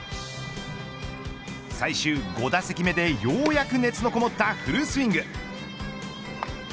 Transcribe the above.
最終５打席目で、ようやく熱のこもったフルスイング。